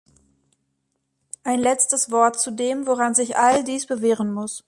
Ein letztes Wort zu dem, woran sich all dies bewähren muss.